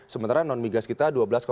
sementara non migas kita dua belas empat